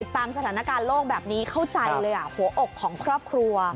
ตามสถานการณ์โลกแบบนี้เข้าใจเลยหัวอกของครอบครัว